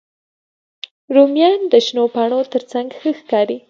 رومیان د شنو پاڼو تر څنګ ښه ښکاري